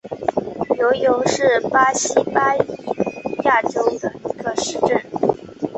尤尤是巴西巴伊亚州的一个市镇。